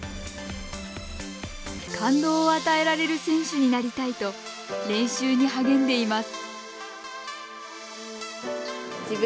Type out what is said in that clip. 感動を与えられる選手になりたいと練習に励んでいます。